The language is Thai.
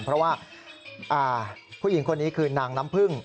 เพราะว่าผู้หญิงคนนี้คือนางน้ำพึ่ง